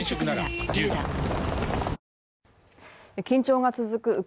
緊張が続く